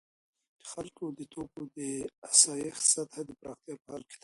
د خلکو د توکو د آسایښت سطح د پراختیا په حال کې ده.